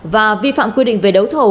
và vi phạm quy định về đấu thầu